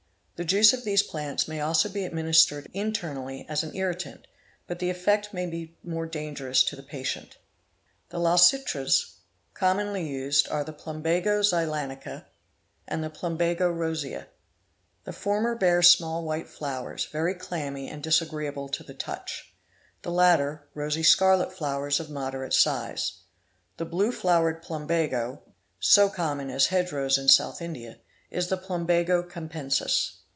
The juice of these plants may also be administered internally as an irritant but the effect may be more dangerous to the patient. The Lal chitras commonly used are the Plumbago zeylanica (Chittira Mulam, Tamil) and the Plumbago rosea (Shivappu Chittira, Tamil). The former bears small white flowers, " very clammy and disagreeable to the — touch'; the latter, rosy scarlet flowers of moderate size. The' blue flowered plumbago, so common as hedge rows in South India, is the Plumbago capensis.